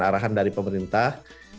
arahan dari pemerintah